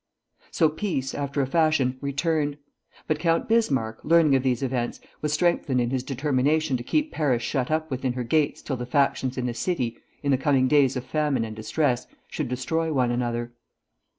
So peace, after a fashion, returned; but Count Bismarck, learning of these events, was strengthened in his determination to keep Paris shut up within her gates till the factions in the city, in the coming days of famine and distress, should destroy one another.